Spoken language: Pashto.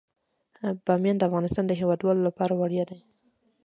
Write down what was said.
بامیان د افغانستان د هیوادوالو لپاره ویاړ دی.